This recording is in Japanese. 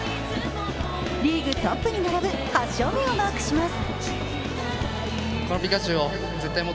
リーグトップに並ぶ８勝目をマークします。